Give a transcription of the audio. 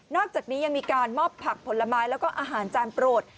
อกจากนี้ยังมีการมอบผักผลไม้แล้วก็อาหารจานโปรด